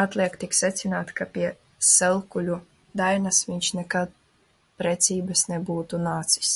Atliek tik secināt, ka pie Selkuļu Dainas viņš nekad precībās nebūtu nācis.